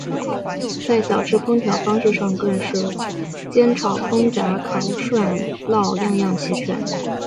在小吃烹调方式上更是煎炒烹炸烤涮烙样样齐全。